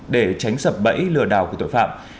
để tránh sập bẫy lừa đảo của tội phạm